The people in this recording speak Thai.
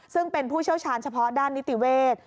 ซึ่งเป็นผู้เชี่ยวชาญเฉพาะด้านนิติเวศ